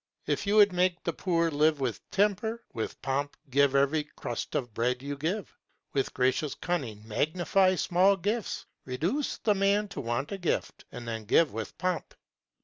If you would make the poor live with temper, With pomp give every crust of bread you give; with gracious cunning Magnify small gifts; reduce the man to want a gift, and then give with pomp.